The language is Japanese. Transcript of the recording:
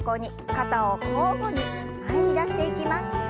肩を交互に前に出していきます。